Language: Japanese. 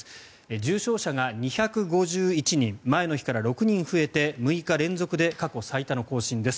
重症者が２５１人前の日から６人増えて６日連続で過去最多の更新です。